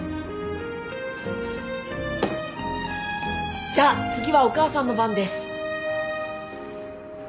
じゃあ次はお母さんの番です。